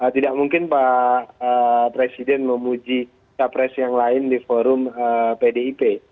tidak mungkin pak presiden memuji capres yang lain di forum pdip